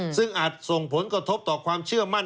ซึ่งอาจส่งผลกระทบต่อความเชื่อมั่น